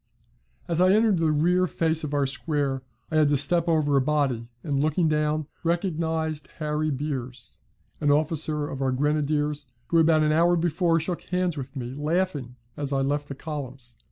As I entered the rear face of our square I had to step over a body, and looking down, recognised Harry Beers, an officer of our Grenadiers, who about an hour before shook hands with me, laughing, as I left the columns.